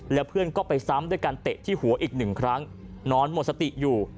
แล้วเพื่อนก็ไปซ้ำด้วยการเตะที่หัวอีกหนึ่งครั้งนอนหมดสติอยู่